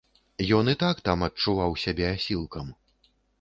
Ён і так там адчуваў сябе асілкам.